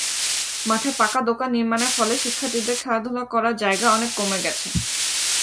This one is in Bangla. মাঠে পাকা দোকান নির্মাণের ফলে শিক্ষার্থীদের খেলাধুলা করার জায়গা অনেক কমে গেছে।